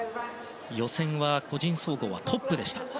予選は、千葉健太個人総合はトップでした。